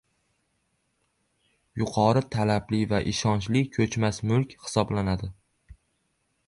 yuqori talabli va ishonchli ko‘chmas mulk hisoblanadi.